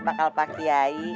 bakal pak kiai